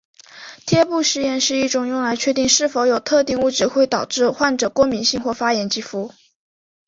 贴布试验是一种用来确定是否有特定物质会导致患者过敏性或发炎肌肤。